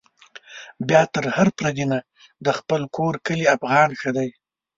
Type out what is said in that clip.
بيا تر هر پردي نه، د خپل کور کلي افغان ښه دی